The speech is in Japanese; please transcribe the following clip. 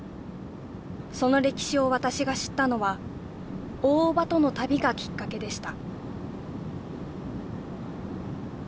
その歴史を私が知ったのは大伯母との旅がきっかけでした